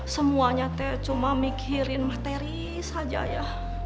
semuanya cuma mikirin materi saja ya